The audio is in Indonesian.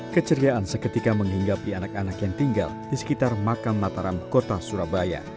keceriaan seketika menghinggapi anak anak yang tinggal di sekitar makam mataram kota surabaya